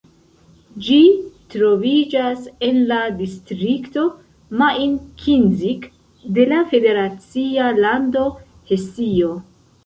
Ĝi troviĝas en la distrikto Main-Kinzig de la federacia lando Hesio.